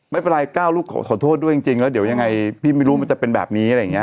ไม่เป็นไรก้าวลูกขอโทษด้วยจริงแล้วเดี๋ยวยังไงพี่ไม่รู้มันจะเป็นแบบนี้อะไรอย่างนี้